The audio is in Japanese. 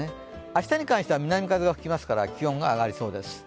明日に関しては南風が吹きますから気温が上がりそうです。